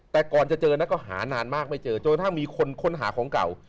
แต่ก่อนจะเจอนะก็หานานมากไม่เจอจนกระทั่งมีคนค้นหาของเก่า